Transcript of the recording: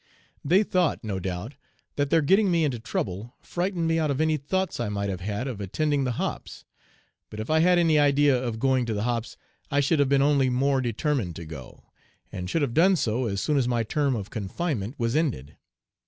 They thought, no doubt, that their getting me into trouble frightened me out of any thoughts I might have had of attending the 'hops;' but if I had any idea of going to the 'hops,' I should have been only more determined to go, and should have done so as soon as my term of confinement was ended.